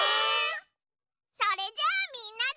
それじゃあみんなで。